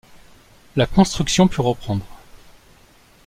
La construction put reprendre.